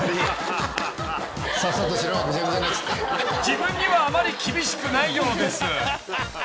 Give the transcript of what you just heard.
［自分にはあまり厳しくないようです］